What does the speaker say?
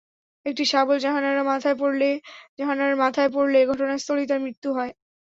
একটি শাবল জাহানারার মাথায় পড়লে ঘটনাস্থলেই তাঁর মৃত্যু হয়।